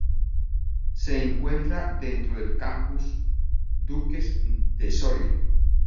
Se encuentra dentro del Campus Duques de Soria.